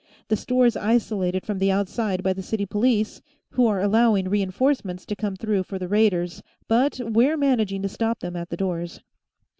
The store's isolated from the outside by the city police, who are allowing re enforcements to come through for the raiders, but we're managing to stop them at the doors."